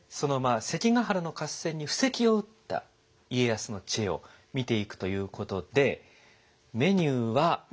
関ヶ原の合戦に布石を打った家康の知恵を見ていくということでメニューはこんな形で用意しました。